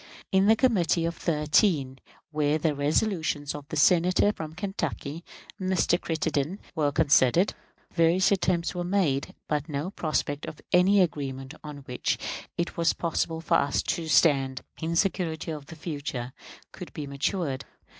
In the Committee of Thirteen, where the resolutions of the Senator from Kentucky [Mr. Crittenden] were considered, various attempts were made, but no prospect of any agreement on which it was possible for us to stand, in security for the future, could be matured.